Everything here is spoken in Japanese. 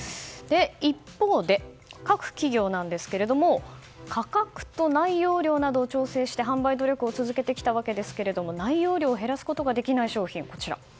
一方で、各企業ですが価格と内容量などを調整して販売努力を続けてきたわけですけど内容量を減らすことができない商品がこちら。